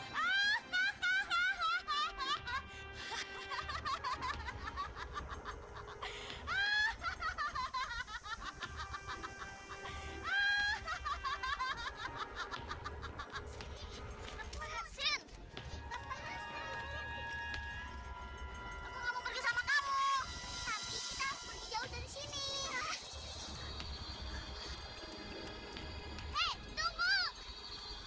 kenapa anak itu melepas